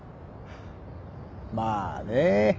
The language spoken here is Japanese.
まあね。